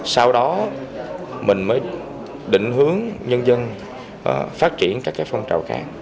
sau đó mình mới định hướng nhân dân phát triển các phong trào khác